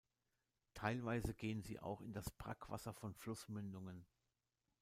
Teilweise gehen sie auch in das Brackwasser von Flussmündungen.